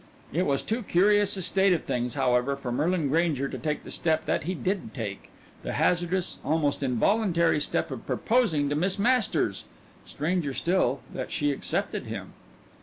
It was too curious a state of things, however, for Merlin Grainger to take the step that he did take the hazardous, almost involuntary step of proposing to Miss Masters. Stranger still that she accepted him.